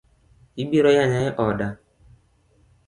Ibiro yanya e oda .